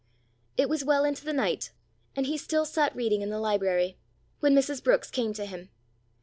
It was well into the night, and he still sat reading in the library, when Mrs. Brookes came to him.